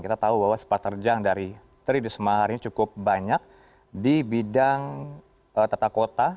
kita tahu bahwa sepatu rejang dari tri risma harini cukup banyak di bidang tata kota